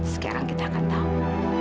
sekarang kita akan tahu